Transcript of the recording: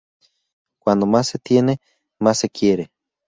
Cuanto más se tiene, más se quiere